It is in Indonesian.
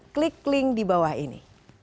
klik link di bawah ini